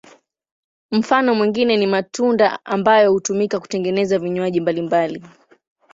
Mfano mwingine ni matunda ambayo hutumika kutengeneza vinywaji mbalimbali.